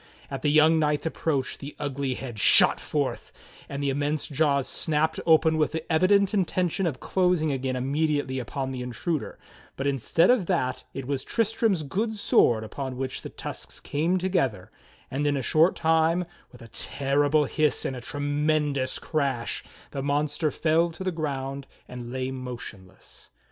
At the young knight's approach the ugly head shot forth, and the immense jaws snapped open with the evident intention of closing again immediately upon the intruder, but instead of that it was Tristram's good sword upon which the tusks came together, and in a short time, with a terrible hiss and a tremendous crash, the mon ster fell to the ground and lay motionless.